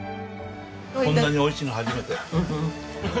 こんなに美味しいの初めて。